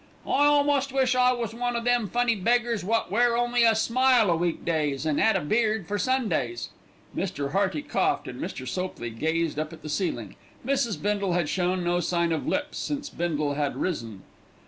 "I almost wish I was one of them funny beggars wot wear only a smile o' week days, an' add a bead for Sundays." Mr. Hearty coughed and Mr. Sopley gazed up at the ceiling. Mrs. Bindle had shown no sign of lips since Bindle had risen.